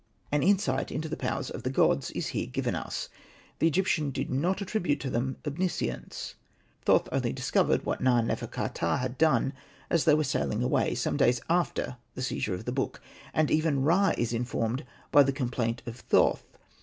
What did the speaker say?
An insight into the powers of the gods is here given us. The Egyptian did not attri bute to them omniscience. Thoth only dis covered what Na.nefer.ka.ptah had done as they were sailing away, some days after the seizure of the book. And even Ra is informed by the complaint of Thoth.